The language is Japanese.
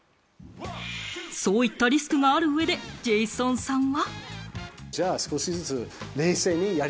そういったリスクがある上で、ジェイソンさんは。